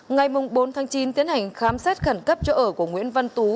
ngày bốn tháng chín tiến hành khám xét khẩn cấp chỗ ở của nguyễn văn tú